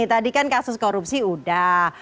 tadi kan kasus korupsi udah